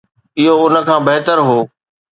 اهو ان کان بهتر هو.